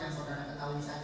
yang saudara ketahui saja